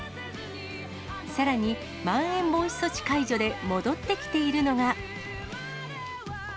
さらに、まん延防止措置解除で戻ってきているのが。